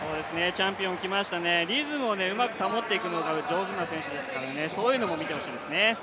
チャンピオンきましたね、リズムうまく保っていくのがうまい選手ですからそういうのも見てほしいですね。